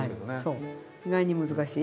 そう意外に難しい。